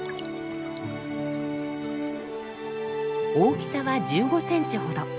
大きさは１５ｃｍほど。